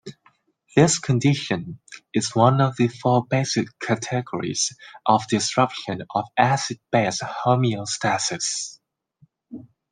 This condition is one of the four basic categories of disruption of acid-base homeostasis.